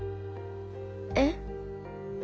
えっ？